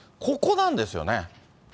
ここなんですよね。